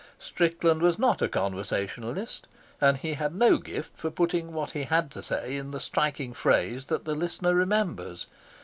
Strickland was not a conversationalist, and he had no gift for putting what he had to say in the striking phrase that the listener remembers.